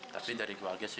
tapi dari keluarga sih